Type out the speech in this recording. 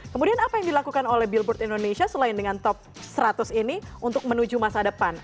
kemudian apa yang dilakukan oleh billboard indonesia selain dengan top seratus ini untuk menuju masa depan